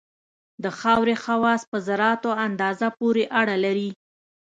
د خاورې خواص په ذراتو اندازه پورې اړه لري